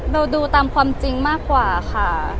ดูตามความจริงมากกว่าค่ะ